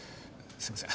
すいません。